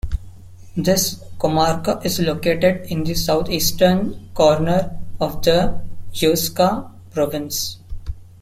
This comarca is located in the southeastern corner of the Huesca province.